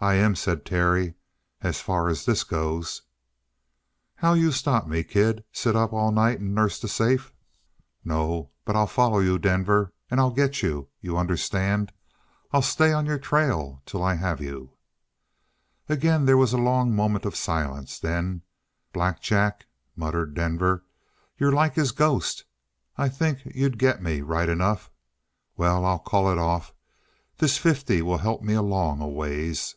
"I am," said Terry, "as far as this goes." "How'll you stop me, kid? Sit up all night and nurse the safe?" "No. But I'll follow you, Denver. And I'll get you. You understand? I'll stay on your trail till I have you." Again there was a long moment of silence, then, "Black Jack!" muttered Denver. "You're like his ghost! I think you'd get me, right enough! Well, I'll call it off. This fifty will help me along a ways."